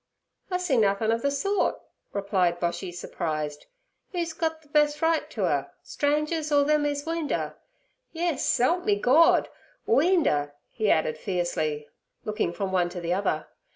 'I see nuthin' ov ther sort' replied Boshy, surprised. 'Oo's gut ther best right to 'er—strangers or them ez weaned 'er? Yes, s'elp me Gord, weaned 'er!' he added fiercely, looking from one to the other.